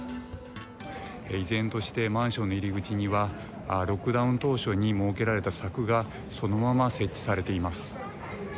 依然としてマンションの入り口にはロックダウン当初に設けられた柵がそのまま設置されています。